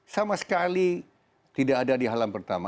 sama sekali tidak ada di halam pertama